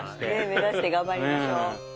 目指して頑張りましょう。